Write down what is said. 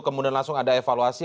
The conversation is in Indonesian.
kemudian langsung ada evaluasi